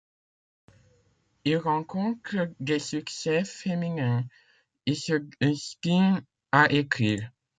Il rencontre des succès féminins... et se destine à écrire...